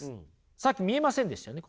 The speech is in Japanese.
さっき見えませんでしたよね